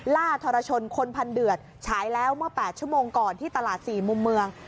ล่าทรชนคนพันธุ์เดือดใช้แล้วเมื่อแปดชั่วโมงก่อนที่ตลาดสี่มุมเมือง